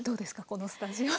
このスタジオ。